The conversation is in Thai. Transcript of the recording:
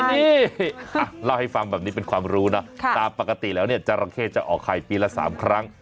นี่เล่าให้ฟังแบบนี้เป็นความรู้นะตามปกติแล้วเนี่ยจราเข้จะออกไข่ปีละ๓ครั้ง